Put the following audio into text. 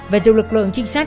và dù lực lượng trinh sát